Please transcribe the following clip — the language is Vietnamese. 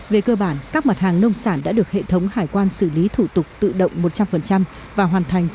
về cơ bản các mặt hàng nông sản đã được hệ thống hải quan xử lý thủ tục tự động một trăm linh và hoàn thành